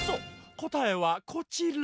こたえはこちら。